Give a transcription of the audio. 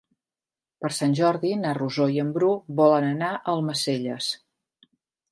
Per Sant Jordi na Rosó i en Bru volen anar a Almacelles.